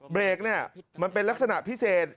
เบรกมันเป็นลักษณะพิเศษ